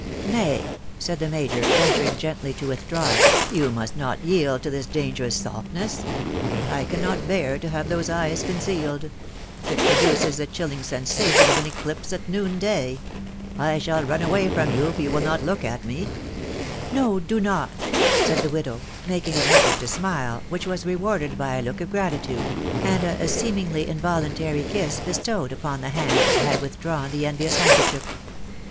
" Nay," said the major, venturing gently to withdraw it, " you must not yield to this dangerous softness. ... I cannot bear to have those eyes concealed !.... it produces the chill ing sensation of an eclipse at noon day. ... I shall run away from you if you will not look at me." iC No, do not," ... said the widow, making an effort to smile, which was rewarded by a look of gratitude, and a seem ingly involuntary kiss bestowed upon the hand that had with drawn the envious handkerchief.